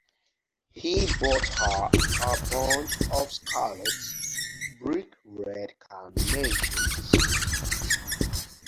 He bought her a bunch of scarlet, brick-red carnations.